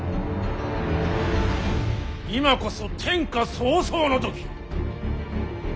今こそ天下草創の時。